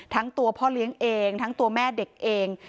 ทั้งตัวพ่อเลี้ยงเองทั้งตัวแม่เด็กเอง